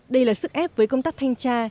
đây là sức ép với công tác thanh tra